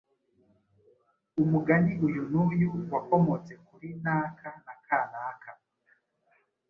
umugani uyu n’uyu wakomotse kuri naka na kanaka